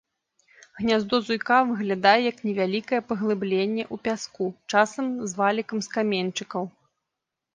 Гняздо зуйка выглядае як невялікае паглыбленне ў пяску, часам з валікам з каменьчыкаў.